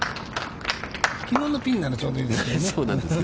きのうのピンならちょうどいいですけどね。